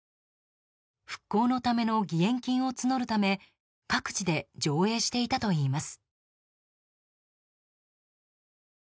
復興のための義援金を募るため各地で上映していたといいます。